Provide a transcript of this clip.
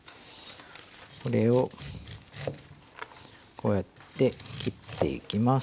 これをこうやって切っていきます。